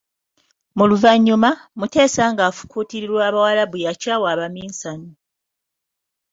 Mu luvannyuma, Mutesa ng'afukuutirirwa Abawarabu, yakyawa Abaminsani.